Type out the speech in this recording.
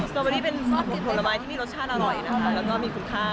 ตอเบอรี่เป็นซอสของผลไม้ที่มีรสชาติอร่อยนะคะแล้วก็มีคุณค่า